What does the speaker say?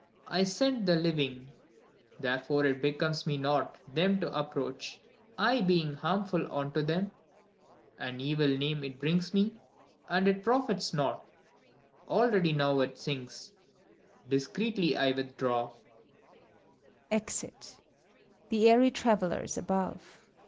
I scent the Living! therefore it becomes me not Them to approach, I being harmful unto them : An evil name it brings me, and it profits naught. Already now it sinks: discreetly I withdraw.